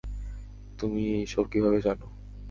তুমি এই সব কিভাবে জানো?